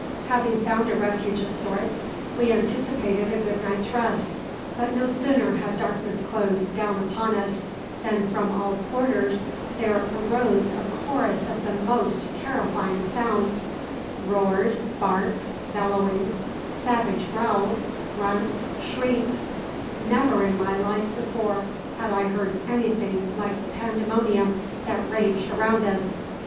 "Having found a refuge of sorts, we anticipated a good night's rest; but no sooner had darkness closed down upon us than from all quarters there arose a chorus of the most terrifying sounds roars, barks, bellowings, savage growls, grunts, shrieks never in my life before had I heard anything like the pandemonium that raged around us!